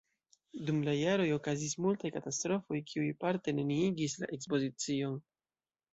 Dum la jaroj okazis multaj katastrofoj, kiuj parte neniigis la ekspozicion.